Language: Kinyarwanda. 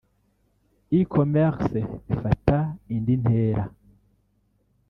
ecommerce bifata indi ntera